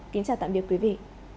kính chào tạm biệt quý vị